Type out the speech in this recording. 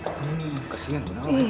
kasian bu nawang